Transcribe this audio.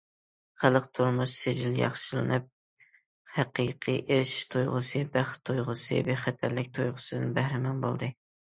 خەلق تۇرمۇشى سىجىل ياخشىلىنىپ، ھەقىقىي ئېرىشىش تۇيغۇسى، بەخت تۇيغۇسى، بىخەتەرلىك تۇيغۇسىدىن بەھرىمەن بولدى.